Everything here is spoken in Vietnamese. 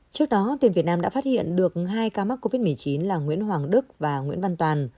trước đó tuyển việt nam đã phát hiện được hai ca mắc covid một mươi chín là nguyễn hoàng đức và nguyễn văn toàn